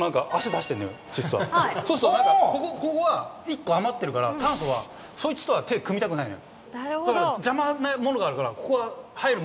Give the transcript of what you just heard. そうするとここが１個余ってるから炭素はそいつとは手組みたくないのよ。